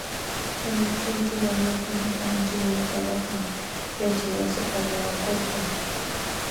Awichuyki wañupushan anchay wataraqmi yachaywasiqa ruwakurqan